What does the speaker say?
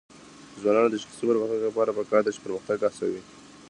د ځوانانو د شخصي پرمختګ لپاره پکار ده چې پرمختګ هڅوي.